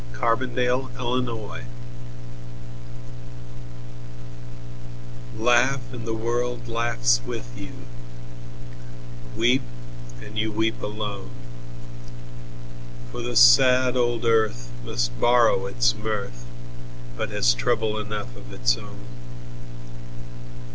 Y Z Solitude LAUGH, and the world laughs with you; Weep, and you weep alone. For the sad old earth must borrow it's mirth, But has trouble enough of it's own.